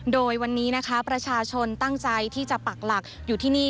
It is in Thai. โดยวันนี้นะคะประชาชนตั้งใจที่จะปักหลักอยู่ที่นี่